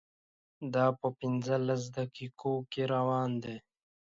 دا په پنځلس دقیقو کې روان دی.